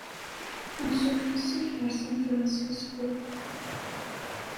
Anṣuf yes-k ɣer San Francisco.